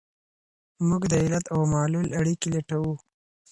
موږ د علت او معلول اړیکي لټوو.